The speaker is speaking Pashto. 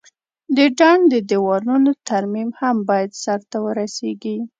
د ډنډ د دیوالونو ترمیم هم باید سرته ورسیږي.